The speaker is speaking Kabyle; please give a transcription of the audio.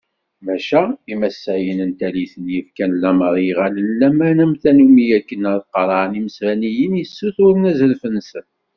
Maca imasayen n tallit-nni, fkan lamer i yiɣallen n laman am tannumi akken ad qerɛen imesbaniyen yessuturen azref-nsen.